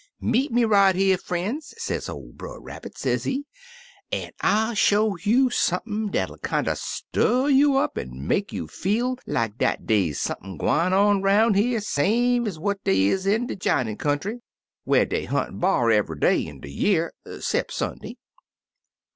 'Meet me right here, frien's,' sez ol' Brer Rabbit, sezee, *an' 1*11 show you sump'n dat'U kinder stir you up an* make you feel like dat dey's sump'n gwine on roun' here same ezwhat dey is indej'inin' coxmty, whar dey hunt b*ar eve'y day in de year 'cep* Sunday.'